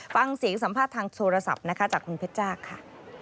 ฟังเสียงสัมภาษณ์ทางโทรศัพท์นะคะจากคุณเพชรจ้าค่ะ